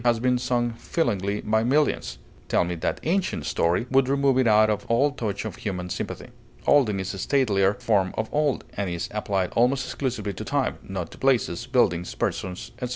has been sung feelingly by millions; "tell me that ancient story" would remove it out of all touch of human sympathy. Olden is a statelier form of old, and is applied almost exclusively to time, not to places, buildings, persons, etc.